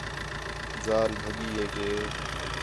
ذال بھڳی ہے کہ